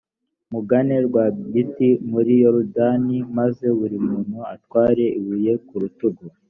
mugane rwagati muri yorudani, maze buri muntu atware ibuye ku rutugu.